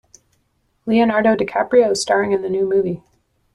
Leonardo DiCaprio is staring in the new movie.